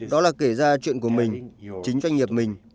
đó là kể ra chuyện của mình chính doanh nghiệp mình